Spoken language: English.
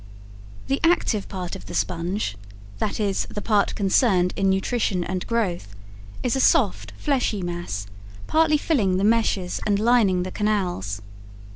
The active part of the sponge, that is, the part concerned in nutrition and growth, is a soft, fleshy mass, partly filling the meshes and lining the canals.